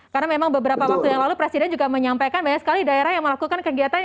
karena memang beberapa waktu yang lalu presiden juga menyampaikan banyak sekali daerah yang melakukan kegiatan